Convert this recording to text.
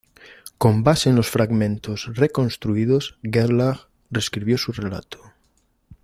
Con base en los fragmentos reconstruidos Gerlach reescribió su relato.